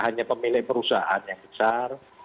hanya pemilik perusahaan yang besar